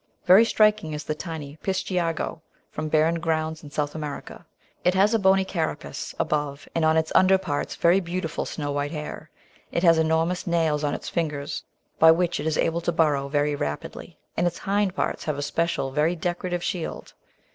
Very striking is the tiny Pitsehiago from barren grounds in South America. It has a bony carapace above, and on its under parts very beautiful snow white hair; it has enormous nails on its fingers by which it is able to burrow very rapidly; and its hind parts have a special very decorative shield.